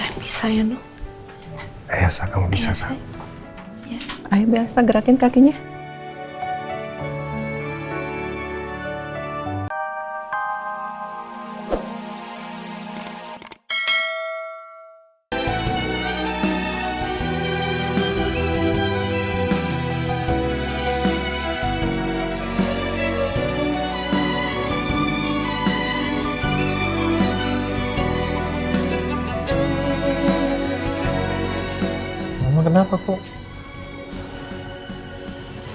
mama kenapa kok